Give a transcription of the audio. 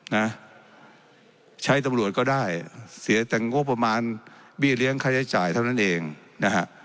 นะใช้ตำรวจก็ได้เสียแต่งบประมาณเบี้ยเลี้ยงค่าใช้จ่ายเท่านั้นเองนะฮะ